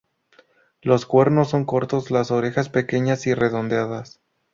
Los cuernos son cortos, las orejas pequeñas y redondeadas.